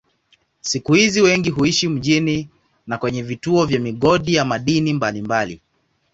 Siku hizi wengi huishi mjini na kwenye vituo vya migodi ya madini mbalimbali.